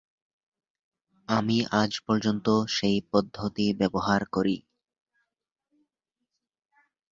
আমি আজ পর্যন্ত সেই পদ্ধতি ব্যবহার করি।